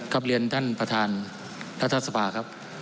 เรียนท่านประธานรัฐสภาครับ